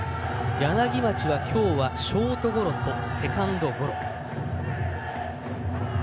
柳町はきょうはショートゴロとセカンドゴロ。